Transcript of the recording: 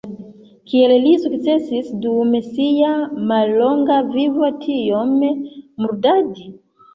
Kiel li sukcesis dum sia mallonga vivo tiom murdadi?